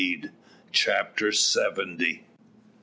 CHAPTER SEVENTY.